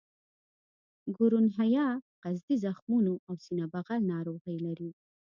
ګونورهیا قصدي زخمونو او سینه بغل ناروغۍ لري.